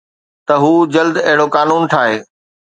ته هو جلد اهڙو قانون ٺاهي